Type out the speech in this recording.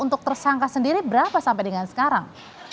untuk tersangka sendiri berapa sampai dengan sekarang